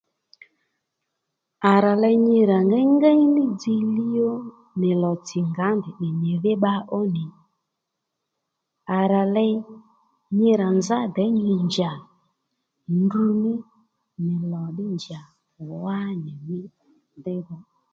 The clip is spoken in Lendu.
À ra ley nyi ra ddí ngéy ní dziylíy ó nì lò tsì ngǎ ndèynì nyìdhí bba ó nì à ra ley nyi ra nzá děy nyi njà ndrǔ ní nì lò ddí njà wá nì nyì mí déydha